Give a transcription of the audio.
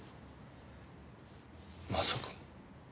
まさか。